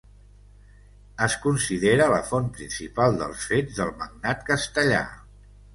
Es considera la font principal dels fets del magnat castellà.